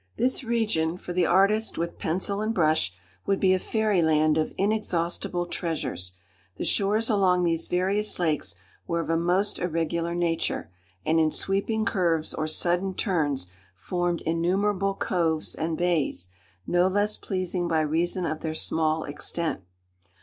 This region, for the artist with pencil and brush, would be a fairy land of inexhaustible treasures. The shores along these various lakes were of a most irregular nature, and in sweeping curves or sudden turns, formed innumerable coves and bays, no less pleasing by reason of their small extent.